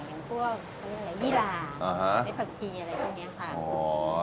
อย่างพวกยี่หลาไอ้ผักชีอะไรตรงนี้ค่ะ